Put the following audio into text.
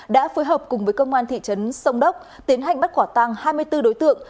đã phối hợp cùng với công an thị trấn sông đốc tiến hành bắt quả tăng hai mươi bốn đối tượng